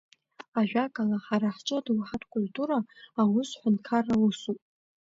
Ажәакала, ҳара ҳҿы адоуҳатә культура аус ҳәынҭқарра усуп.